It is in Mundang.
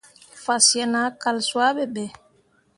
Fasyen ah kal suah ɓe be.